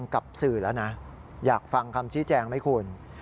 กับสื่อแล้วนะอยากฟังคำชี้แจงไหมคุณ